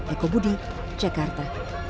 eko budi jakarta